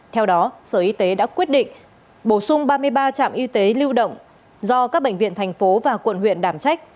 theo đó sở y tế đã quyết định bổ sung ba mươi ba trạm y tế lưu động do các bệnh viện thành phố và quận huyện đảm trách